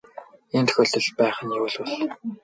Ийм тохиолдол байх нь юу л бол.